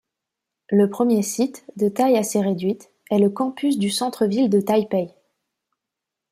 Le premier site, de taille assez réduite, est le campus du centre-ville de Taipei.